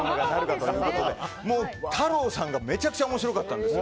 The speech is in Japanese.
太郎さんが、めちゃくちゃ面白かったんです。